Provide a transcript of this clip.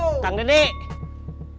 pukul mangkok ini dan kencing